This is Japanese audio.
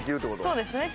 そうですね